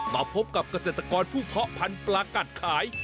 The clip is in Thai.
มาพบกับเกษตรกรผู้เพาะพันธุ์ปลากัดขาย